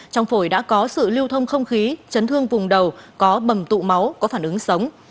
trong phổi đã có sự lưu thông không khí chấn thương vùng đầu có bầm tụ máu có phản ứng sống